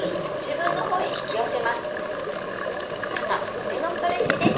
肩腕のストレッチです。